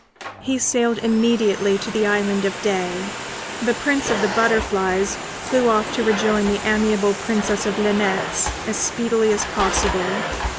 He sailed immediately to the Island of Day. The Prince of the Butterflies flew off to rejoin the amiable Princess of Linnets as speedily as possible.